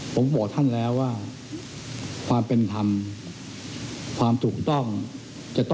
ผมบอกท่านแล้วว่า